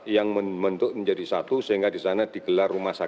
yang membentuk menjadi satu sehingga di sana digelar rumah sakit